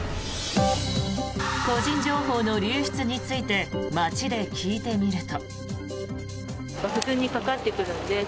個人情報の流出について街で聞いてみると。